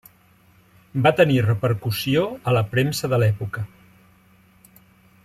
Va tenir repercussió a la premsa de l'època.